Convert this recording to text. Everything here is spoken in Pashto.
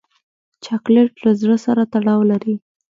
چاکلېټ له زړه سره تړاو لري.